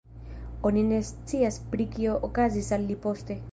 Oni ne scias pri kio okazis al li poste.